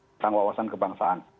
tentang kewawasan kebangsaan